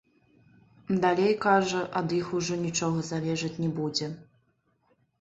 Далей, кажа, ад іх ужо нічога залежаць не будзе.